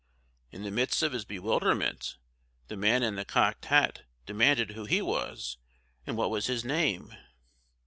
In the midst of his bewilderment, the man in the cocked hat demanded who he was, and what was his name?